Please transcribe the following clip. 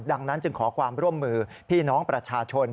ดังนั้นจึงขอความร่วมมือพี่น้องประชาชน